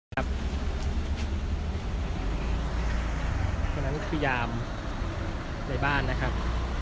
เพราะฉะนั้นพยายามในบ้านนะครับ